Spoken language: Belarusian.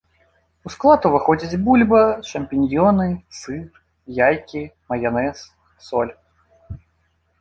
У склад уваходзяць бульба, шампіньёны, сыр, яйкі, маянэз, соль.